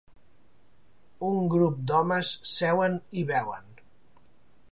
Un grup d'homes seuen i beuen